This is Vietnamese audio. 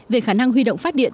về khả năng huy động phát điện